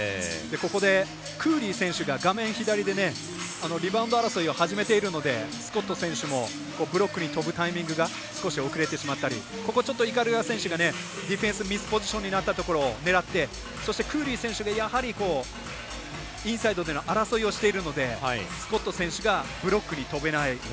ここでクーリー選手がリバウンド争いを始めているのでスコット選手もブロックに飛ぶタイミングが少し遅れてしまったりここはちょっと鵤選手がディフェンスミスポジションになったところを狙ってそしてクーリー選手がやはりインサイドでの争いをしているのでスコット選手がブロックに跳べない。